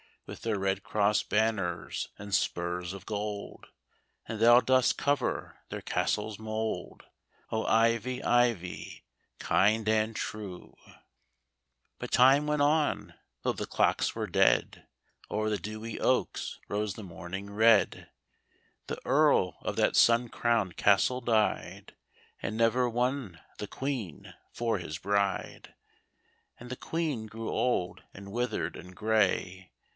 With their red cross banners and spurs of gold. And thou dost cover their castle s mould, O, Ivy, Ivy, kind and true ! But time went on, though the clocks were dead ; O'er the dewy oaks rose the morning red. The earl of that sun crowned castle died. And never won the Queen for his bride. And the Queen grew old, and withered, and gray.